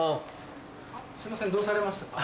すいませんどうされましたか？